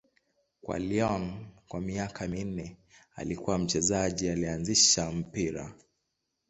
Kwa Lyon kwa miaka minne, alikuwa mchezaji aliyeanzisha mpira.